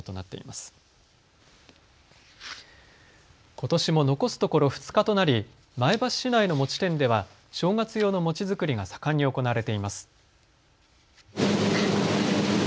ことしも残すところ２日となり前橋市内の餅店では正月用の餅作りが盛んに行われています。